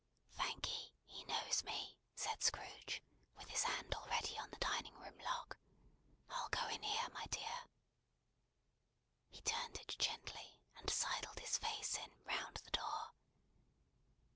"Thank'ee. He knows me," said Scrooge, with his hand already on the dining room lock. "I'll go in here, my dear." He turned it gently, and sidled his face in, round the door.